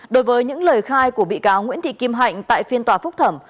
đối với những lời khai của bị cáo nguyễn thị kim hạnh tại phiên tòa phúc thẩm